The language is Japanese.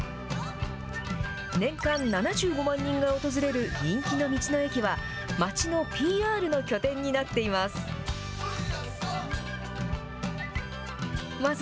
年間７５万人が訪れる人気の道の駅は、町のＰＲの拠点になっています。